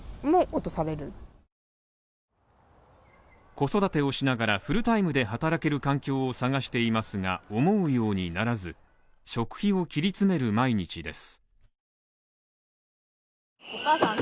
子育てをしながらフルタイムで働ける環境を探していますが、思うようにならず、食費を切り詰める毎日です。